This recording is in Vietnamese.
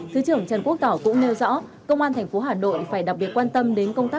thứ trưởng trần quốc tỏ cũng nêu rõ công an tp hà nội phải đặc biệt quan tâm đến công tác